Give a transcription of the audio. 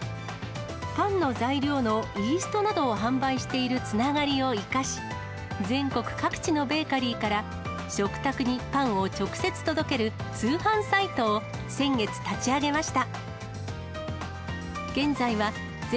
パンの材料のイーストなどを販売しているつながりを生かし、全国各地のベーカリーから食卓にパンを直接届ける通販サイトを先月立ち上げました。